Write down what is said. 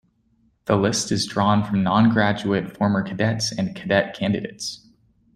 The list is drawn from non-graduate former cadets and cadet candidates.